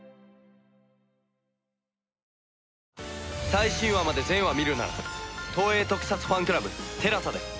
最新話まで全話見るなら東映特撮ファンクラブＴＥＬＡＳＡで。